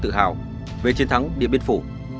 tự hào về chiến thắng điện biên phủ